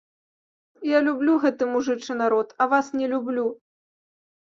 Я люблю гэты мужычы народ, а вас не люблю.